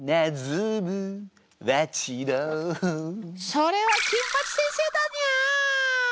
それは金八先生だにゃー！